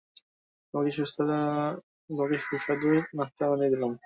আর তোমাকে সুস্বাদু নাস্তা বানিয়ে দিলাম।